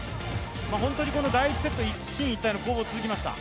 本当に第１セット、一進一退の攻防が続きました。